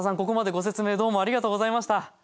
ここまでご説明どうもありがとうございました。